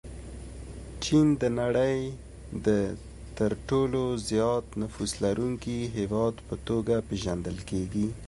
چین د نړۍ د تر ټولو زیات نفوس لرونکي هېواد په توګه پېژندل کېږي.